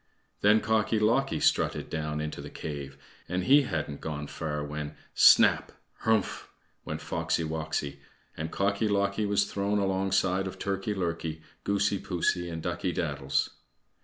Then Cocky locky strutted down into the cave, and he hadn't gone far when "Snap, Hrumph!" went Foxy woxy, and Cocky locky was thrown alongside of Turkey lurkey, Goosey poosey, and Ducky daddles.